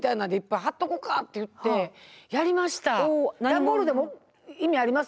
段ボールでも意味あります？